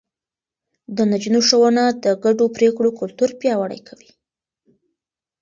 د نجونو ښوونه د ګډو پرېکړو کلتور پياوړی کوي.